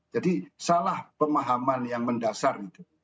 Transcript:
jadi salah pemahaman yang mendasar